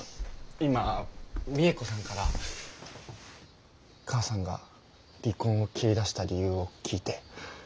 今未映子さんから母さんが離婚を切り出した理由を聞いて。